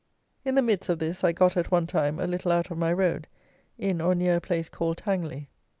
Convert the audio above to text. In the midst of this, I got, at one time, a little out of my road, in, or near, a place called Tangley.